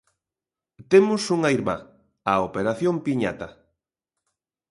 Temos unha irmá, a Operación Piñata.